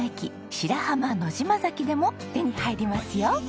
白浜野島崎でも手に入りますよ。